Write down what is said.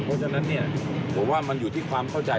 เพราะฉะนั้นเนี่ยผมว่ามันอยู่ที่ความเข้าใจ